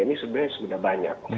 ini sebenarnya sudah banyak